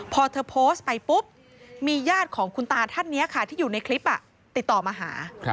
พอเธอโพสต์ไปปุ๊บมีญาติของคุณตาท่านนี้ค่ะที่อยู่ในคลิปติดต่อมาหา